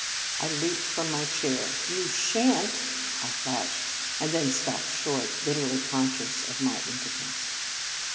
I leaped from my chair. "You shan t!" I flashed, and then stopped short, bitterly conscious of my im potence.